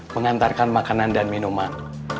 mengantarkan makanan dan minuman